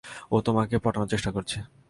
ও তোমাকে পটানোর চেষ্টা করছে।